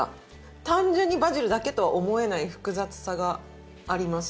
単純にバジルだけとは思えない複雑さがあります。